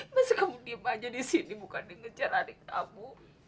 masa kamu diem aja di sini bukan di ngejar adik kamu